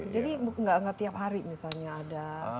jadi nggak tiap hari misalnya ada